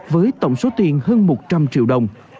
với tổng số tiền hơn một trăm linh triệu đồng